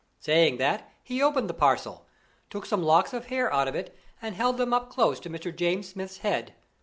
Saying that, he opened the parcel, took some locks of hair out of it, and held them up close to Mr. James Smith's head.